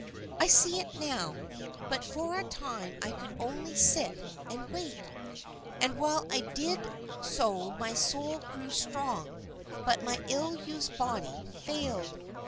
I see it now, but for a time I could only sit and wait; and while I did so my soul grew strong but my ill used body failed.